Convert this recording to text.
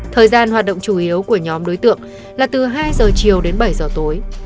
thời gian hoạt động chủ yếu của nhóm đối tượng là từ hai giờ chiều đến bảy giờ tối